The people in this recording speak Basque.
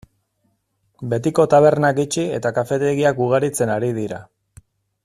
Betiko tabernak itxi eta kafetegiak ugaritzen ari dira.